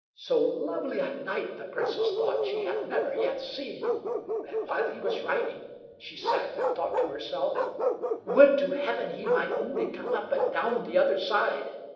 So lovely a knight the Princess thought she had never yet seen; and while he was riding, she sat and thought to herself: "Would to heaven he might only come up and down the other side."